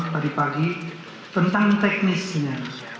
tadi pagi tentang teknisnya